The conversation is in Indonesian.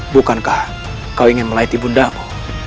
bukankah kau ingin melayati bundamu